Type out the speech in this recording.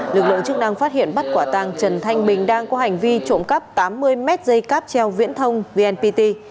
lực lượng chức năng phát hiện bắt quả tàng trần thanh bình đang có hành vi trộm cắp tám mươi mét dây cáp treo viễn thông vnpt